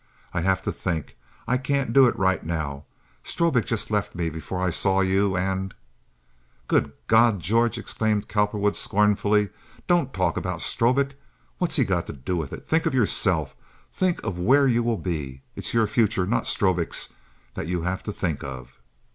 "I'll have to think. I can't do it right now. Strobik just left me before I saw you, and—" "Good God, George," exclaimed Cowperwood, scornfully, "don't talk about Strobik! What's he got to do with it? Think of yourself. Think of where you will be. It's your future—not Strobik's—that you have to think of."